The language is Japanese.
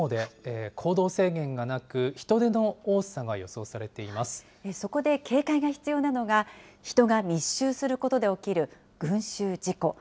行動制限がなく、そこで警戒が必要なのが、人が密集することで起きる群集事故。